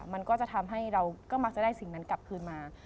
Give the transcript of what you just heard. มันก็จะทำให้เราก็มักจะได้สิ่งนั้นกลับคืนมา